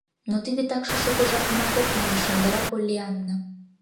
— Но тиде такше шуко жапымак ок нал, — ӱшандара Поллианна.